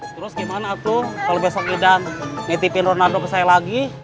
terus gimana atu kalau besok idan dititipin ronaldo ke saya lagi